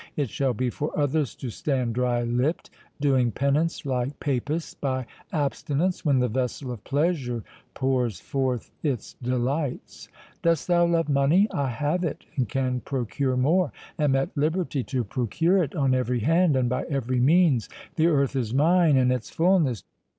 It shall be for others to stand dry lipped, doing penance, like papists, by abstinence, when the vessel of pleasure pours forth its delights. Dost thou love money?—I have it, and can procure more—am at liberty to procure it on every hand, and by every means—the earth is mine and its fulness.